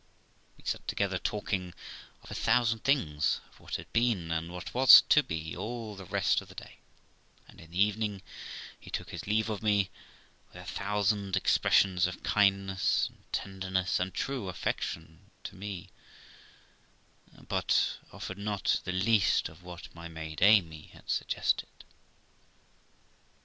We sat together talking of a thousand things of what had been, and what was to be all the rest of the day, and in the evening he took his leave of me, with a thousand expressions of kindness and tenderness and true affection to me, but offered not the least of what my maid Amy had suggested.